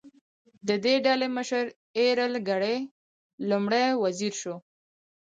د دې ډلې مشر ایرل ګرې لومړی وزیر شو.